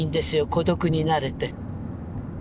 孤独になれて。